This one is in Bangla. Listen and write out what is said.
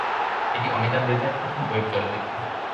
এটি অমিতাভ রেজার প্রথম ওয়েব চলচ্চিত্র।